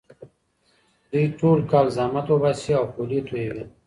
دوی ټول کال زحمت وباسي او خولې تویوي.